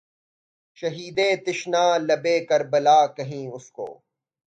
شہیدِ تشنہ لبِ کربلا کہیں اُس کو